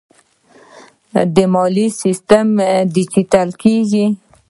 د مالیې سیستم ډیجیټل کیږي